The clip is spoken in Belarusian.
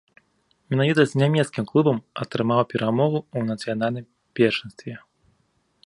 Менавіта з нямецкім клубам атрымаў перамогу ў нацыянальным першынстве.